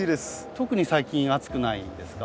特に最近暑くないですか？